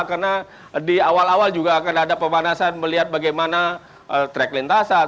karena di awal awal juga akan ada pemanasan melihat bagaimana trek lintasan